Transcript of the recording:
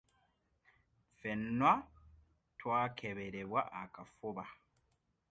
Ffenna twakeberebwa akafuba.